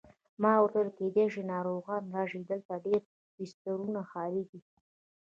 ما ورته وویل: کېدای شي ناروغان راشي، دلته ډېر بسترونه خالي دي.